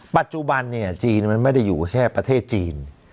ปัจจุบันจีนมันไม่ได้อยู่แค่ประเทศจีน